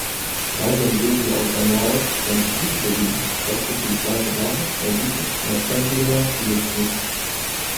Lai gan bija jau gan laiks, gan izdevība saskatīt daža laba mediķa merkantilās tieksmes.